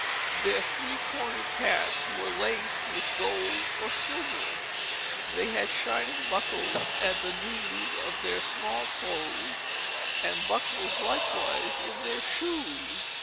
Their three cornered hats were laced with gold or silver. They had shining buckles at the knees of their small clothes, and buckles likewise in their shoes.